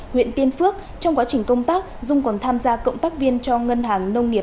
huyện tiên phước trong quá trình công tác dung còn tham gia cộng tác viên cho ngân hàng nông nghiệp